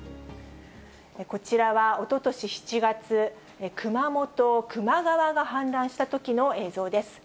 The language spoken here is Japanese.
こちらはおととし７月、熊本・球磨川が氾濫したときの映像です。